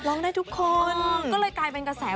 ร้องได้ทุกคนก็เลยกลายเป็นกระแส